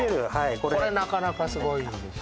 これこれなかなかすごいんですよ